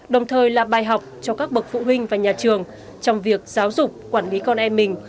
đồng thời là bài học cho các bậc phụ huynh và nhà trường trong việc giáo dục quản lý con em mình